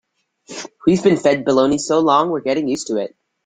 We've been fed baloney so long we're getting used to it.